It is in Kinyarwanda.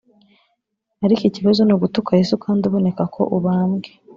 ariko ikibazo ni ugutuka Yesu kandi uboneka ko ubambwe